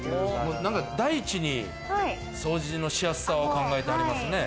第一に掃除のしやすさを考えてはりますね。